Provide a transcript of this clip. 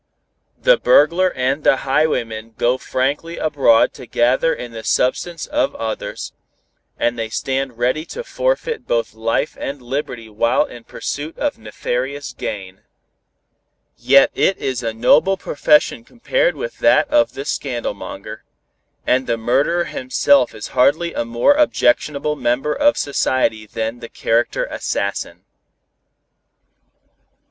The burglar and the highwayman go frankly abroad to gather in the substance of others, and they stand ready to forfeit both life and liberty while in pursuit of nefarious gain. Yet it is a noble profession compared with that of the scandalmonger, and the murderer himself is hardly a more objectionable member of society than the character assassin.